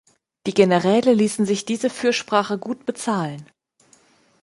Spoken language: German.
Die Generäle ließen sich diese Fürsprache gut bezahlen.